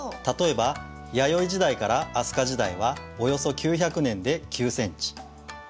例えば弥生時代から飛鳥時代はおよそ９００年で９センチ。